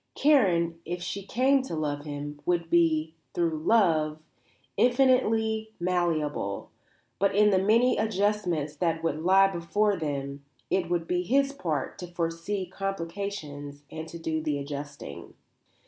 Karen, if she came to love him, would be, through love, infinitely malleable, but in the many adjustments that would lie before them it would be his part to foresee complications and to do the adjusting.